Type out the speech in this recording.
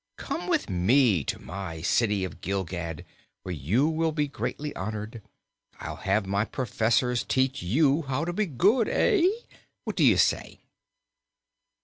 Come with me to my City of Gilgad, where you will be greatly honored. I'll have my professors teach you how to be good. Eh? What do you say?"